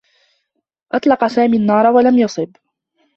أطلق سامي النّار و لم يصب.